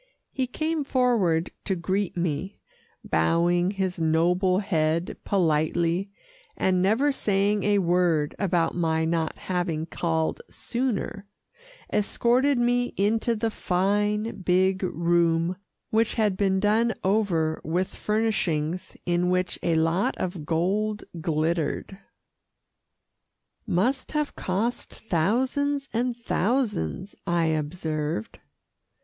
He came forward to greet me, bowing his noble head politely, and never saying a word about my not having called sooner, escorted me into the fine, big room, which had been done over with furnishings in which a lot of gold glittered. "Must have cost thousands and thousands," I observed.